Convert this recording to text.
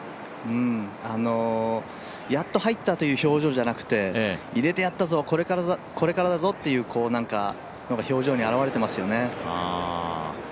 やっと入ったという表情じゃなくて入れてやったぞ、これからだぞというのが表情にあらわれていますよね。